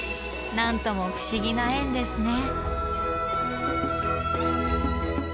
何とも不思議な縁ですね。